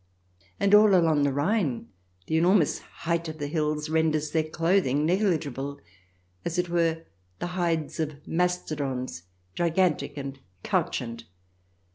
And all along the Rhine the enormous height of the hills renders their clothing negligible, as it were the hides of mastodons, gigantic and couchant.